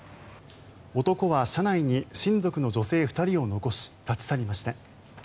男は車内に親族の女性２人を残し立ち去りました。